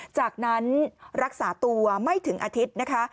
จากนั้นรักษาตัวไม่ถึงอาทิตย์นะคะ